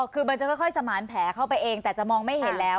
คือมันจะค่อยสมานแผลเข้าไปเองแต่จะมองไม่เห็นแล้ว